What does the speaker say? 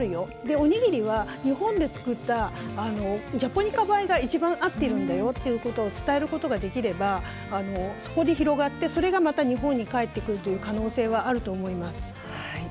おにぎりは日本で作ったジャポニカ米が一番あっているんだよっていうことが伝えることができればそこで広がって、それがまた日本にかえってくる可能性はあると思います。